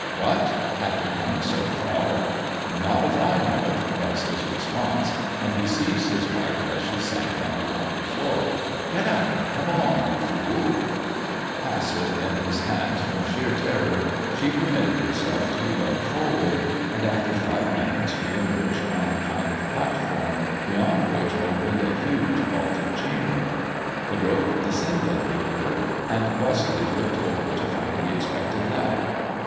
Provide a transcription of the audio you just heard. " What ! After coming so far ] Not if I know it," was his response, and he seized his wife as she sank on the rocky floor. " Get up and come along, you fool." 212 THE DEAD MAN'S DIAMONDS Passive in his hands from sheer terror, she permitted , herself to be led forward, and after five minute^ we emerged on to a kind of platform beyond which opened a huge vaulted chamber. The rope descended here, and Westleigh looked over to find the expected ladder.